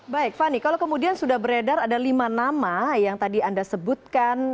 baik fani kalau kemudian sudah beredar ada lima nama yang tadi anda sebutkan